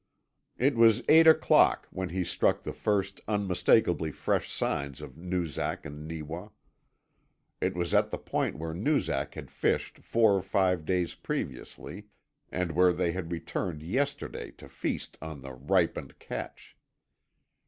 It was eight o'clock when he struck the first unmistakably fresh signs of Noozak and Neewa. It was at the point where Noozak had fished four or five days previously, and where they had returned yesterday to feast on the "ripened" catch.